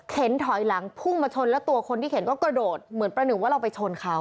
ถอยหลังพุ่งมาชนแล้วตัวคนที่เข็นก็กระโดดเหมือนประหนึ่งว่าเราไปชนเขา